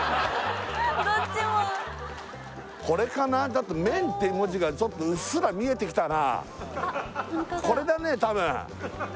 だって「麺」っていう文字がちょっとうっすら見えてきたな